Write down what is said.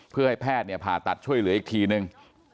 เพื่อให้แพทย์ผ่าตัดช่วยเหลืออีกทีนึง